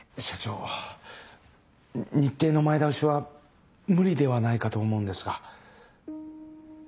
社長日程の前倒しは無理ではないかと思うんですが。